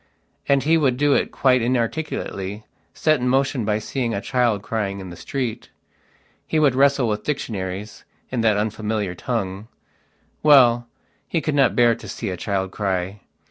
And he would do it quite inarticulately, set in motion by seeing a child crying in the street. He would wrestle with dictionaries, in that unfamiliar tongue.... Well, he could not bear to see a child cry.